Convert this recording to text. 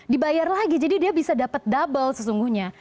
dibayar lagi jadi dia bisa dapat double sesungguhnya